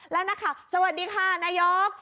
แล้วนักข่าวสวัสดีค่ะนายก